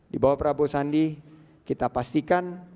di bawah prabowo sandi kita pastikan